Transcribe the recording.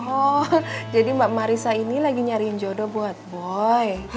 oh jadi mbak marissa ini lagi nyariin jodoh buat boy